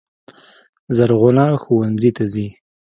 زرغونه ښوونځي ته ځي.